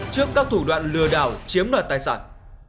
trước các thủ đoạn lừa đảo chiếm đoạt tài sản